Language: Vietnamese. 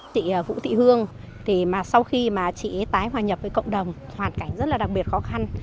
chị phụ thị hương sau khi chị ấy tái hòa nhập với cộng đồng hoàn cảnh rất là đặc biệt khó khăn